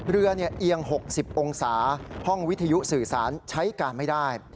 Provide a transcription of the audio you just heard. เอียง๖๐องศาห้องวิทยุสื่อสารใช้การไม่ได้